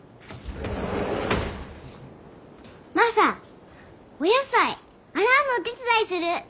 マサお野菜洗うのお手伝いする。